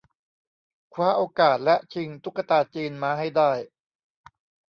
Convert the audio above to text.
คว้าโอกาสและชิงตุ๊กตาจีนมาให้ได้